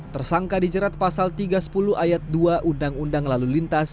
tersangka dijerat pasal tiga ratus sepuluh ayat dua undang undang lalu lintas